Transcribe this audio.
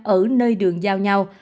ở nơi đường giao nhau